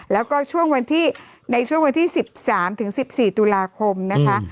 แล้วก็ช่วงในช่วงวันที่๑๓๑๔ตุลาคมนะคะ